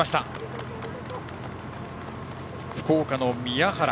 福岡の宮原。